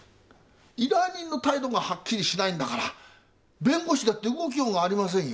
依頼人の態度がはっきりしないんだから弁護士だって動きようがありませんよ。